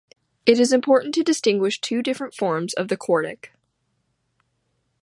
It is important to distinguish two different forms of the quartic.